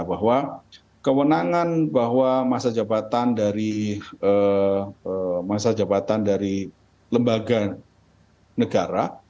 bahwa kewenangan bahwa masa jabatan dari lembaga negara